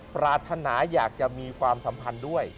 ปรารถนาอยากจะมีความสัมพันธ์ด้วย